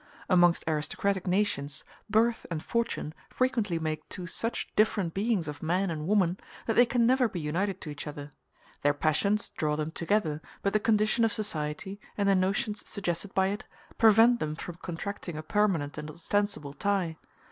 ] Amongst aristocratic nations birth and fortune frequently make two such different beings of man and woman, that they can never be united to each other. Their passions draw them together, but the condition of society, and the notions suggested by it, prevent them from contracting a permanent and ostensible tie.